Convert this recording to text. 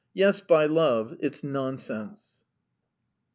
"Yes, by Jove, it's nonsense!"